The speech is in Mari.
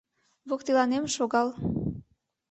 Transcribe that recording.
Воктеланем шогал.